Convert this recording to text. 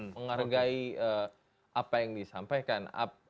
menghargai apa yang disampaikan